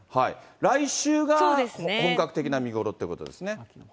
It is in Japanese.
来週が本格的な見頃ということですね。